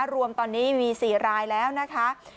รวมตอนนี้มี๔รายแล้วนะคะ